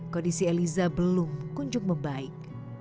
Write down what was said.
kondisi eliza belum kunjung membaik